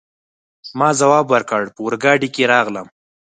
ما ځواب ورکړ: په اورګاډي کي راغلم.